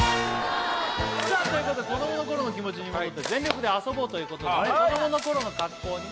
さあということで子どもの頃の気持ちに戻って全力で遊ぼうということではい子どもの頃の格好にね